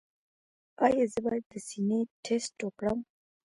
ایا زه باید د سینې ټسټ وکړم؟